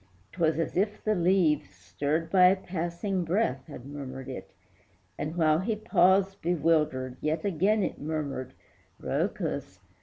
'Twas as if the leaves, Stirred by a passing breath, had murmured it, And, while he paused bewildered, yet again It murmured "Rhœcus!"